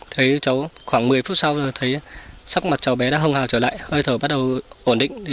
thấy cháu khoảng một mươi phút sau thấy sắc mặt cháu bé đã hồng hào trở lại hơi thở bắt đầu ổn định